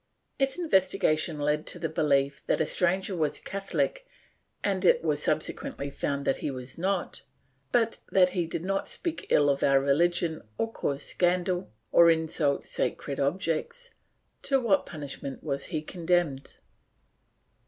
If investigation led to the belief that a stranger was Catholic and it was subsequently found that he was not, but that he did not speak ill of our religion, or cause scandal, or insult sacred objects, to what punishment was he condemned?